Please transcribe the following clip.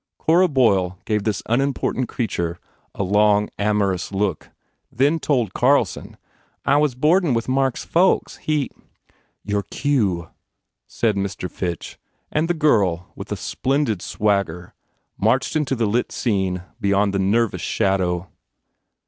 Cora Boyle gave this un important creature a long, amorous look, then told Carlson, "I was boardin with Mark s folks. He" "Your cue," said Mr. Fitch and the girl, with a splendid swagger, marched into the lit scene beyond this nervous shadow.